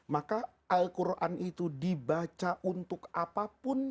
maka al quran itu dibaca untuk apapun